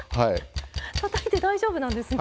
たたいて大丈夫なんですね。